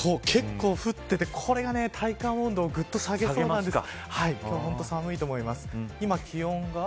結構降ってて、これが体感温度をぐっと下げそうなんです。